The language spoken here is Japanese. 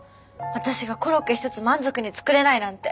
私がコロッケ一つ満足に作れないなんて。